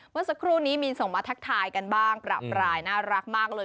เมื่อสักครู่นี้มีนส่งมาทักทายกันบ้างประปรายน่ารักมากเลย